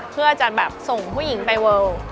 เพื่อจะแบบส่งผู้หญิงไปเวิล